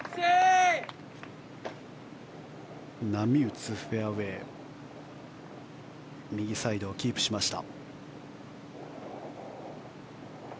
波打つフェアウェー右サイドをキープしました。